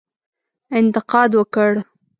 انتقاد وکړ.